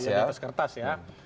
di atas kertas ya